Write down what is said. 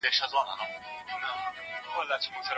رواني چمتووالی د کار د پیل لپاره مهم دی.